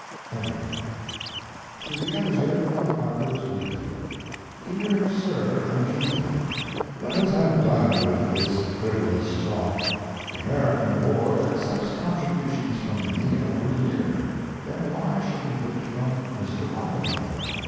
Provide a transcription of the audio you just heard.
Editor.) TO THE EDITOR OF HARPER'S WEEKLY: Dear Sir and Kinsman, Let us have done with this frivolous talk. The American Board accepts contributions from me every year: then why shouldn't it from Mr. Rockefeller?